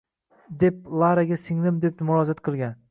Depp Laraga singlim, deb murojaat qilgan